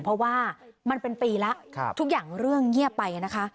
เพราะว่ามันเป็นปีแล้วทุกอย่างเรื่องเงียบไปนะคะ